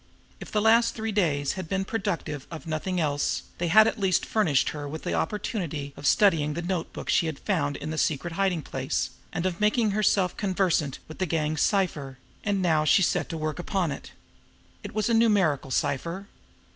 If the last three days had been productive of nothing else, they had at least furnished her with the opportunity of studying the notebook she had found in the secret hiding place, and of making herself conversant with the gang's cipher; and she now set to work upon it. It was a numerical cipher.